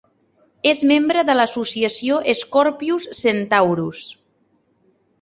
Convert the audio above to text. És membre de l'Associació Scorpius-Centaurus.